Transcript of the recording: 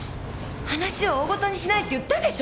話を大事にしないって言ったでしょ！